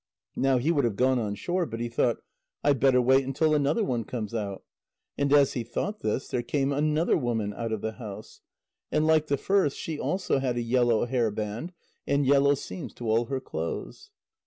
Now he would have gone on shore, but he thought: "I had better wait until another one comes out." And as he thought this, there came another woman out of the house. And like the first, she also had a yellow hair band, and yellow seams to all her clothes.